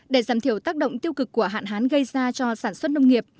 để giảm thiểu tác động tiêu cực của hạn hán gây ra cho sản xuất nông nghiệp